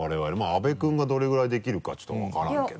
阿部君がどれぐらいできるかちょっと分からんけど。